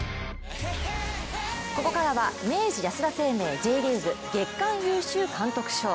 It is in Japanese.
ここからは明治安田生命Ｊリーグ月間優秀監督賞。